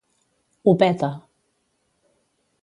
Ho peta.